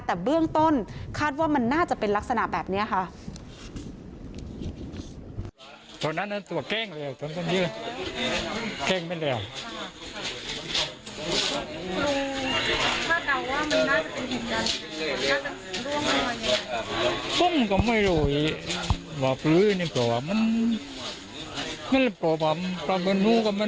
แต่เบื้องต้นคาดว่ามันน่าจะเป็นลักษณะแบบนี้ค่ะ